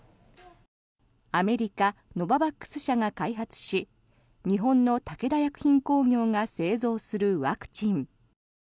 アメリカ、ノババックス社が開発し日本の武田薬品工業が製造するワクチン。